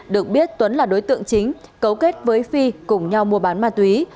được biết tuấn là đối tượng chính cấu kết với phi cùng nhau mua bán ma túy